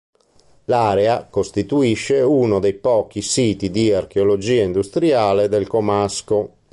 L'area costituisce uno dei pochi siti di archeologia industriale del comasco.